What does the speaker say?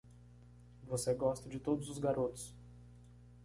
Você gosta de todos os garotos.